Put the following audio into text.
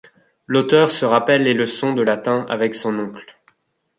L’auteur se rappelle les leçons de latin avec son oncle.